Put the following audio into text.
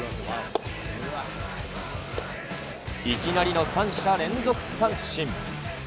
いきなりの３者連続三振。